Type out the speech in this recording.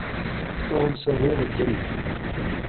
تام سہ روغہ کۤری